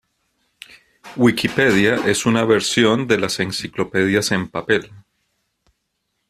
Wikipedia es una versión de las enciclopedias en papel.